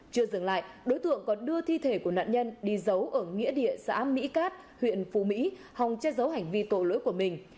chưa dừng lại đối tượng còn đưa thi thể của nạn nhân đi giấu ở nghĩa địa xã mỹ cát huyện phú mỹ hòng che giấu hành vi tổ lỗi của mình